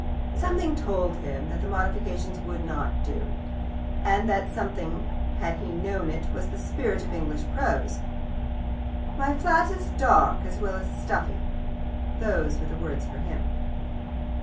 " Something told him that the modifications would not do; and that something, had he known it, was the spirit of English Prose. "My flat is dark as well as stuffy." Those were the words for him.